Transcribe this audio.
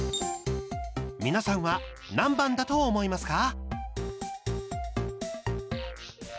皆さんは何番だと思いますか？